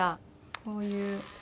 こういう。